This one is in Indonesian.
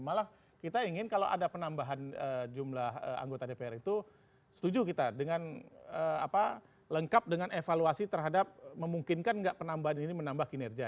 malah kita ingin kalau ada penambahan jumlah anggota dpr itu setuju kita dengan lengkap dengan evaluasi terhadap memungkinkan nggak penambahan ini menambah kinerja